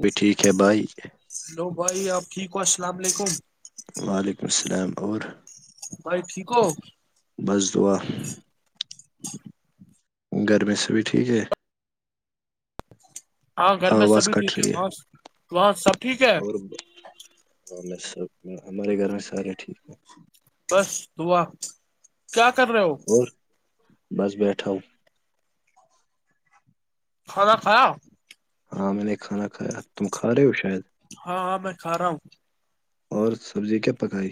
بھی ٹھیک ہے بھائی ہلو بھائی آپ ٹھیک ہو السلام علیکم وعلیکم السلام اور بھائی ٹھیک ہو بس دعا [inaudible] گرمی سے بھی ٹھیک ہے ہاں گھر میں آواز سبھی ٹھیک کٹ ہے رہی وہاں وہاں سب ٹھیک ہے اور سب ہمارے گھر میں سارے ٹھیک ہیں بس دعا کیا کر رہے ہو اور بس بیٹھا ہوں خدا تھاا آ ہاں میں نے کھانا کھایا تم کھا رہے ہو شاید ہاں ہاں میں کھ رہا ہوں اور سبزی کیا پکائی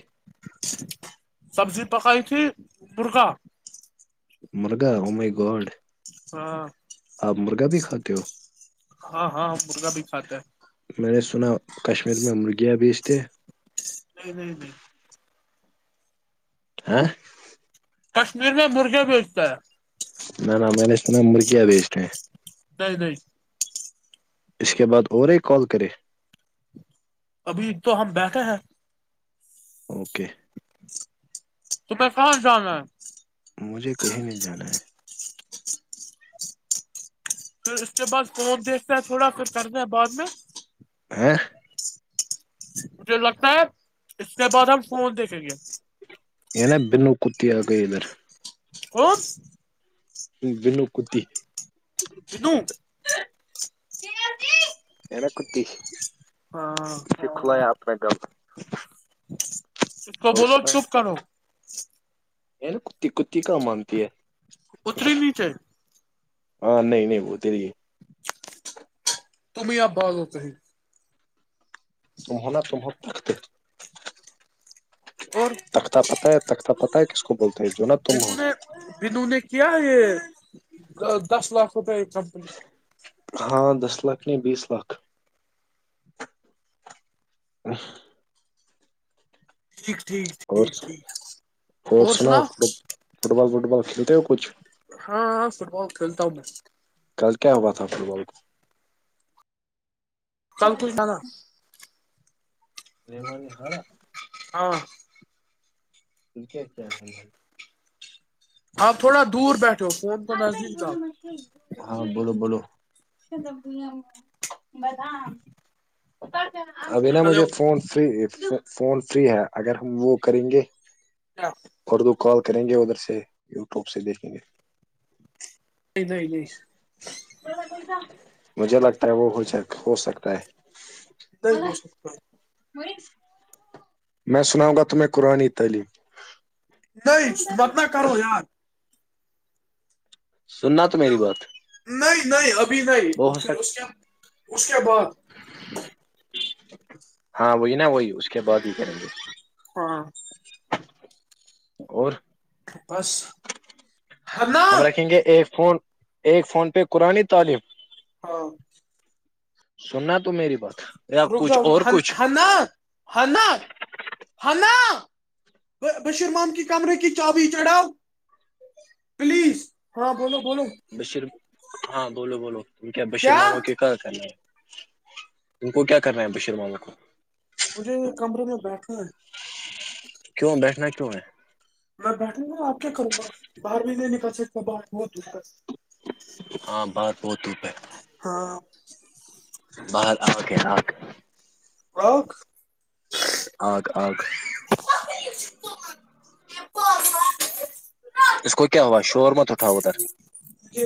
سبزی پکائی تھی مرغا مرغہ عمئی گوڈھ ہاں کھاتے ہو ہاں ہاں مرغا بھی کھاتا ہے میں نے سنا کشمیر میں مرغیاں بیچتے نہیں نہیں نہیں ہاں کشمیر میں مرغے بیچتا ہے نان آ م نے اس ن مرکیا ا بھی اس ہیں تی تی اس کے بعد اورے کال کرے ابھی تو ہم بیٹھے ہیں اوکے توپہیں کہاں سے جانا ہے مجھے کہیں نہیں جانا ہے پھر اس کے بعد فم دیکھتے ہے تھوڑا پھر کرنا ہے بعد میں ہیں مجھے لگتا ہے اس کے بعد ہم فون دیکھیں گے ان بن کتییہ آ گ اھر کوس بلو کتی کنو ا کتی ہاں سکھ لایا اپنا گل تو اور بول چوپ کرو ار کتی کتی کام آنتی ہے اتری نہیںچ ہے ہاں نہیں نہیں وہ تری تم آ بازوت تمہوں نا تمہ تختے اور تختہ پت ہے تخت پتتا ہے کس کو بولتا ہے جو نا تم ہو بنوں نے کیا یہ دس لاکھ روپئے یہ کمپنی ہاں دس لاکھ نہیں بیس لاکھ ا ٹھیک ٹھیک اور ٹھیک ٹھیک اور سنا فٹ فٹ بال وٹ بال کھیلتے ہو کچھ ہاں ہاں فٹ بال کھیلتا ہوں میں کل کیا ہوا تھا فٹ بال کو چل ت ج نا محمان نے ہارا ہاں کرکٹ کل ہیں آپ تھوڑا دور بیٹھ ہو فون کو نزدیک لاؤ ہاں بولو بو ابھی نا مجھے hello phone free phone free ہے اگر ہم وہ کریں گے ر اردو کال کریں گے ادھر سے یوٹیوب سے دیکھیں گے نہیں نہیں نہیں مجھے لگتا ہے وہ ہو ہو سکتا ہے نہیں ہو سکتا وہئی میں سناؤں گا تمہیں قرآانی تعلیم نہیں بت نہ کرو یار سننا تو میری بات نہیں نہیں ابھی نہیں وہ ہو پھر سک اس کے اس کے بعد ہاں وہی نا وہی اس کے بعد ہی کریں گے ہاں [inaudible] اور بس ہے نا ہم رکھیں گے ای فون ایک فون پہ قرانی تعلیم ہاں سننا تو میری بس رک جاؤ ہ نا ہ نا [unintelligible] ہ نا بشیرمان کی کمرے کی چابی چڑھاؤ پلیز ہاں بولو بولو بشیر ہاں بولو بولو ت کیا بشیر ماما کے کہ کرنا ہے ت کو کیا کرنا ہے بشیر مانا کو [unintelligible] مجھے کمرے میں بیٹھا ہے کیوں بیٹھنا کیوں ہے میں بیٹھوں گا آپ کیا کروں گا باہر بھی نہیں نکل سکتا ب بہت دور ہے ہاں بات بہت دھوپ ہے ہاں [unintelligible] ب اوکے اوکے [unintelligible] اک [unintelligible] آگ آ [unintelligible] پ [inaudible] اس کو کیا ہوا شور ما تھاٹھؤ ادھر یہ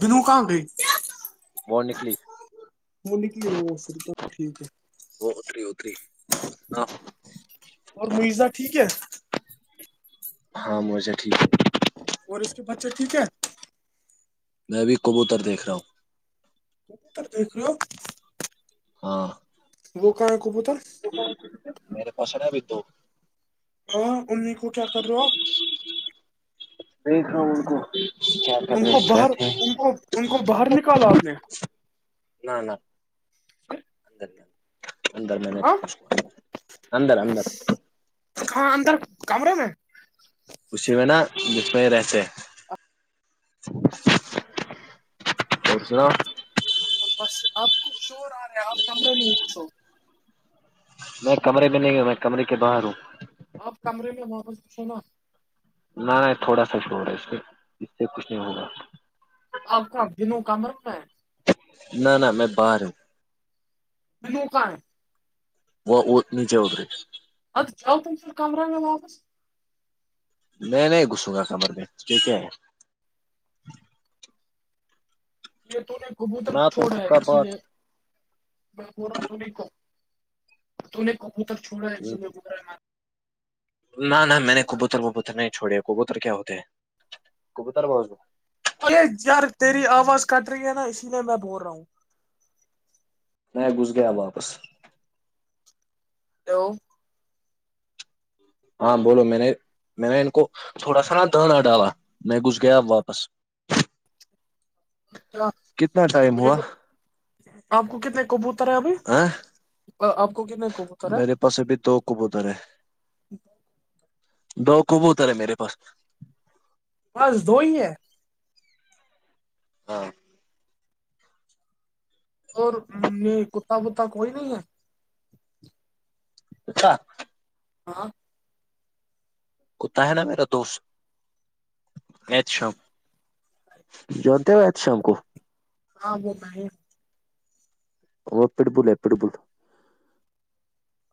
بنو کہاں گئی [unintelligible] وہ نکلی وہ نکلی وہ پھر تو ٹھیک ہے وہ اتری ہوتری اور مزہ ٹھیک ہے [unintelligible] ہاں موچا ٹھیک اور اس کے بچے ٹھیک ہے میں بھی کبوت دیکھ رہا ہوں ت پریو [unintelligible] ہاں [unintelligible] وہ کہاں کوبو تو میرے پاس ابھی دو ہاں امی کو کیا کر رہے ہو آپ دیکھ رہا ہوں ان کو کیا کر ان رہے کو ہیں باہر بیٹھے ہیں. ان کو ان کو باہر نکالا آپ نے نہ نہدر [unintelligible] اندر میں نے ہاں رکھا اندر اندر ہاں اندر کمرے میں اسی میں نا جس میں یہ رہتے اچھا اچھا اور سرؤ [unintelligible] اور بس اپ کچھ شور آ رہے ہے آپ کمرے میں ہی کچھ ہو میں کمرے میں نہیں ہوں میں کمرے کے باہر ہوں آپ کمرے میں مسھے نا [unintelligible] نہ نہیں تھوڑا سا جوو رہا ہے اس میں اس سے کچھ نہیں ہوگا آپ کا دنوں کام رکھ میں ہے ن نہ ن نہ میں باروں [unintelligible] بوکن [unintelligible] وہ وہ نیچے ادری ا چ کمرانگ میں واپس [unintelligible] میں نہیں گھسوں گا کمر میں ٹھیک ہے یہ تو نے کبوتر سنا تو چھوڑا خود ہے کا اسی بات لیے میںا ہ ت تیں کبوتر چھوڑا ہے [unintelligible] نہ نہ میں نے ہے کبوتر کبوتر نہیں چھوڑے کبوتر کیا ہوتے ہیں کبوتر ب ارے یار تیری آواز کٹ رہی ہے نا اسی لیے میں بول رہا ہوں [unintelligible] میں گھس گیا واپس ہلو ہاں بولو میں نے میں نے ان کو تھوڑا سا نا دنانا ڈالا میں گس گیا واپس کتنا ٹائم مجھے ہوا آپ کو کتنے کبوتر ا ابھی ہ آپ کو کتنے کبو تر ہے میرے پاس ابھی دو کبوتر ہے دو کبوتر ہے میرے پاس بس دو ہی ہیں ہاں اور یہ کتا بتا کوئی نہیں ہے اچھا ہاں کوتا ہے نا میرا دوست ایچ شم جتے ہو ایچ شام کو [unintelligible] ہاں ب ب ہے [unintelligible] وہ پٹ بول ہے پٹ بول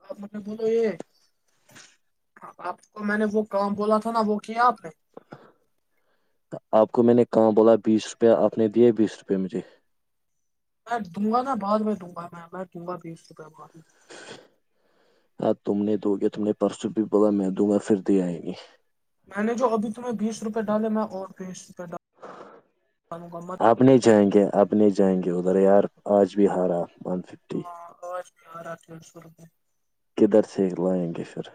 آپ م نے بولو یہ [unintelligible] آپ کو میں نے وہ بولا تھا نا وہ کیا آپ نے آپ کو میں نے کہاں بولا بیس روپیہ آپ نے دیا بیس روپے مجھے میں دوں گا نا بعد میں دوں گا میں دوں گا بیس روپے بعد میں ہاں تم نے تو ہو گیا تم نے پرسوں بھی بولا میں دوں گا پھر دیا ہی نہی میں نے جو ابھی تمہیں بیس روپئے ڈالے میں اور بیس روپے ڈال مکمت آپنے جائیں گے اپنے جائیں گے ادھر یار آج بھی ہارا بن فکر ہرا ت سو روپئے کدھر س لائن گے فر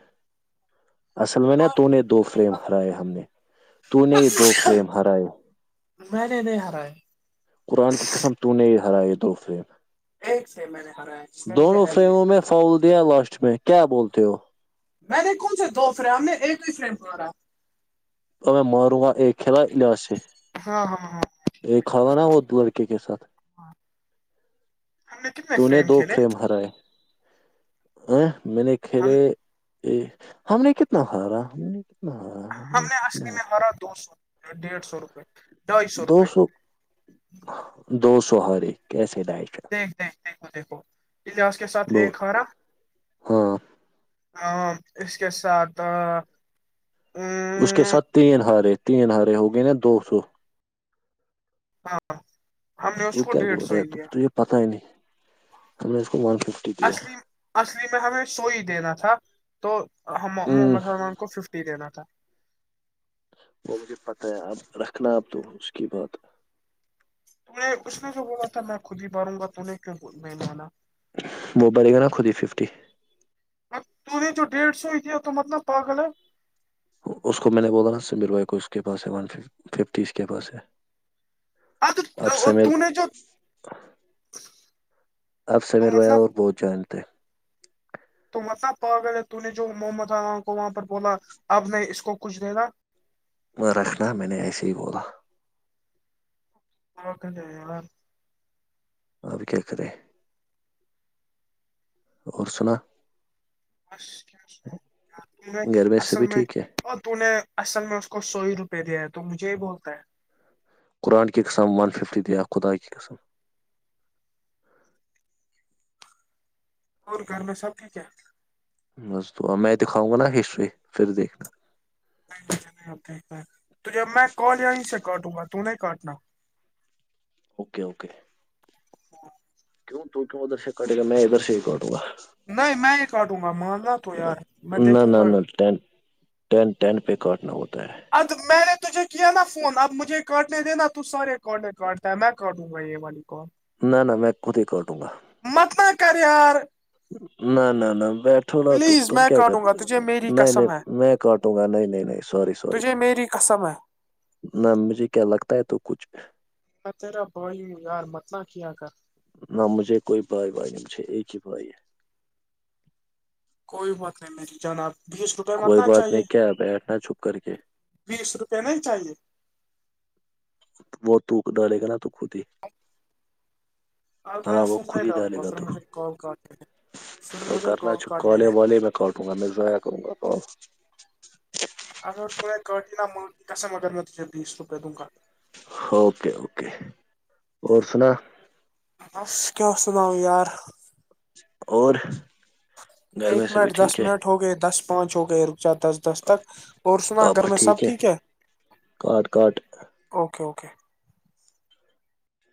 اصل میں نا تمہار تو نے دو تمہیں فریم پتا ہرائے ہم نے تو نے یہ دو فریم ہرائے میں نی نہیں ہارا ہے قرآن کی قسم تو نہیں ہرائی یہ دوفے ایک سے میں نے ہرایا جس میں مجھے دونوں ایج فریموں میں نہیں فاول دیا لاسٹ میں کیا بولتے ہو میں نے کون سے دو فرینڈ ہم نے ایک ہی فرینڈ مارا ایں مارو آاں ایک کھیلا لیا سے ہاں ہاں ہاں ایک کھالانا وہ لڑکے کے ساتھ ہم کتنے تو نے دو کھیلے فریم ہرائے ا میں نے ہم کھیلے ہم نے کتنا ہارا ہم نے اصلی میں ہارا دو سو ڈیڑھ سو روپے دو سو دو سو ہرے کیسے دائش دیکھ دیکھ دیکھو دیکھو اجہس کے ساتھ دو ایک ہارا ہاں ا اس کے ساتھ ا اس کے ساتھ تین ہارے تین ہارے ہو گئے نا دو سو ہاں ہم نے اس کو ڈڑھ سو ہی دیا پتہ نہیں ہم نے اس کو معنف اصلی اصلی میں ہمیں سوئی دینا تھا تو ہوں محمد سلیلمان کو ففٹی دینا تھا وہ مجھے پتہ ہے اب رکھنا اب تو اس کی بات ت نے اس نے جو بولا تھا میں خود ہی ماروں گا تہیں کیوں نہیں مانا وہ بلگا ن خود ہی ففٹی تو یہ جو ڈیڑ سو ہی ت تو مطلب پاگل ہے اس کو میں نے بولا نا سمیر بھائی کو اس کے پاس ہے ففٹی اس کے پاس ہے ا تو اب سمیر تو نے جو آپ سمر بھیا مطلب اور بہت جانتے ہیں تو مطلب پا گل ہے تو نے جو محمد عام کو وہاں پر بولا اب نہیں اس کو کچھ دینا رکھنا میں نے ایسے ہی بولا اورک ج آپ بھی کیا کر رہ ہیں اور سنا کیا میں گھر سے اصل بھی میں ٹھیک ہے اور تو نے اصل میں اس کو سو ہی روپے دیا ہے تو مجھے یہ بولتا ہے قرآن کی قسم ون ففٹی دےیا خداائے کی قسم اور گھر میں سب ٹھیک ہے مزد میں دکھاؤں گا نا ہسٹری پھر دیکھنا نہیں م نہیں آ تو جب میں کال یہیں سے کاٹوں گا تو نہیںیں کاٹنا اوکے اوکے کیوں تو کیوں ادھر سے ک کاٹےا میں ادھر سے ہی کاٹوںا نہیں میں یہ کاٹوں گا ماننا تو یار میں دیکھوں گا تا ٹین ٹین پہ کاٹنا ہوتا ہے اب میں نے تجھے کیا نا فون اب مجھے کاٹنے دینا تو سارے کاٹنے کاٹتا ہے میں کاٹوں الائی عل کوم نہ نہ میں خود ہی کر دوں گا متل کریار نہ نہ نہ بیٹھو نا تم پلیز تم میں کیا کاٹوں گا کرتے ہو تجھے میری نہیں قسم نہیں ہے میں کاٹوں گا نہیں نہیں نہیں سوری سوری تجھے میری قسم ہے نہ مجھے کیا لگتا ہے تو کچھ تیرا بائی یار متلا کیا کر نہ مجھے کوئی بھائی بائی نہیں مجھے ایک ہی بھائی ہے کوئی بات نہیں میری جان آب کوئی بات نہیں کیا بیٹھنا چھپ کر کے بیس روپے میں ہی چاہیے وہ تو ڈالے گ نا تو خود ہی اور میں ہاں وہ سر نہیں خود ہی ڈالوں ڈالے گا سر تو مجھ سے کال کال کر ہیں پھر تو مجھے کرنا چ کالے والے میں کاٹوں گا میں ضائع کروں گا کال اگرٹا مگر میں بیس رپ دوںنک کا اوکے اوکے اور سنا بس کیا اس نا یار اور گھر ایک میں سے بھی منٹ دس ٹھیک ہے منٹ ہو گئے دس پانچ ہو گئے رکچات دس دس تک اور سنا گھر میں سب ٹھیک ہے کاٹ کاٹ اوکے اوکے